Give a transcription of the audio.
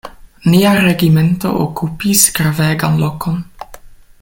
Nia regimento okupis gravegan lokon.